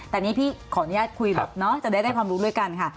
แต่นี่พี่ขออนุญาตคุยแบบเนาะจะได้ความรู้ด้วยกันค่ะ